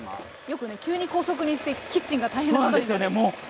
よくね急に高速にしてキッチンが大変なことになって。